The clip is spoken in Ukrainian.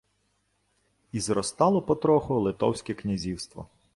І зростало потроху Литовське князівство.